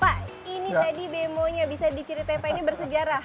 pak ini tadi bemonya bisa diceritain pak ini bersejarah